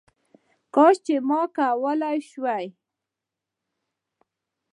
کش چي ما کولې شواې